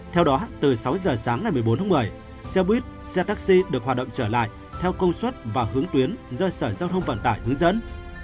theo đó từ sáu giờ sáng ngày một mươi bốn tháng một mươi xe buýt xe taxi được hoạt động trở lại theo công suất và hướng tuyến do sở giao thông vận tải hướng dẫn